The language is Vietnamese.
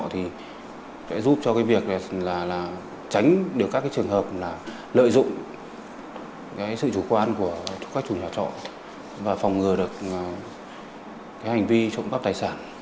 thì sẽ giúp cho việc tránh được các trường hợp lợi dụng sự chủ quan của các chủ nhà trọ và phòng ngừa được hành vi trộm cắp tài sản